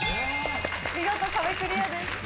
見事壁クリアです。